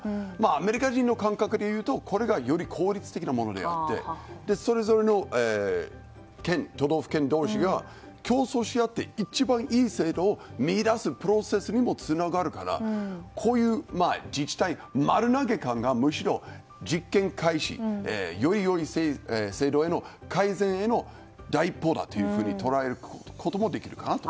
アメリカ人の感覚でいうとこれがより効率的なものであってそれぞれの都道府県同士が競争し合って一番いい制度を見いだすプロセスにもつながるからこういう自治体丸投げ感がむしろ、実験開始より良い制度への改善への第一歩だと捉えることもできるかなと。